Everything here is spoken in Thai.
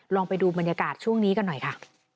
ลองไปดูบรรยากาศช่วงนี้กันหน่อยค่ะ